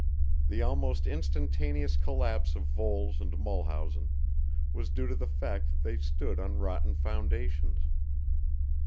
The almost instantaneous collapse of Voles and Mulhausen was due to the fact that they stood on rotten foundations.